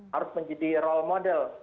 harus menjadi role model